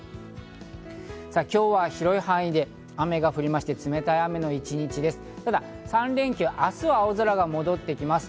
今日は広い範囲で雨が降りまして、冷たい雨の一日です。